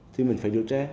thì mình phải điều tra